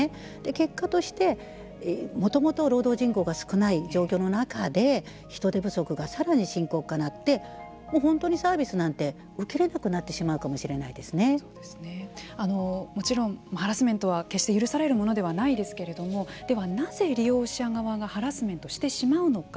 結果としてもともと労働人口が少ない状況の中で人手不足がさらに深刻化して本当にサービスなんて受けれなくなってしまうかももちろん、ハラスメントは決して許されるものではないですけれどもではなぜ利用者側がハラスメントをしてしまうのか。